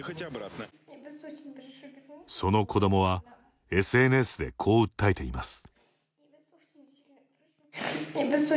その子どもはＳＮＳでこう訴えています。